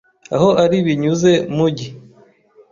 aho ari binyuze mug